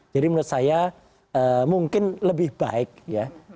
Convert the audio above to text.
jadi menurut saya mungkin lebih baik ya